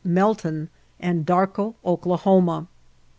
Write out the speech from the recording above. Melton, Ana&arko, Oklahoma.